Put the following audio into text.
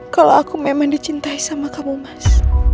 kalau aku memang dicintai sama kamu mas